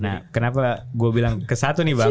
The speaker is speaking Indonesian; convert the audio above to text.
nah kenapa gue bilang ke satu nih bang